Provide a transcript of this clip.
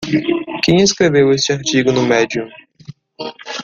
Quem escreveu este artigo no Medium?